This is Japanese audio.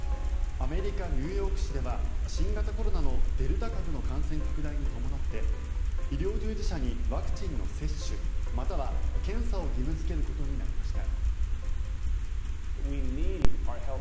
アメリカ・ニューヨーク市では新型コロナのデルタ株の感染拡大に伴って医療従事者にワクチンの接種または検査を義務付けることになりました。